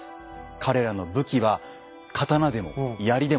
彼らの武器は刀でもやりでも鉄砲でもなく。